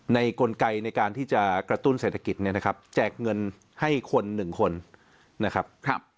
ในกลไกในการที่จะกระตุ้นเศรษฐกิจแจกเงินให้คน๑คนนะครับ